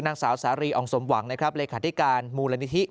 นางสาวสารีองค์สมวังเลยคาดิการมูลนิธิ